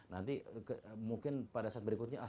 nanti mungkin pada saat berikutnya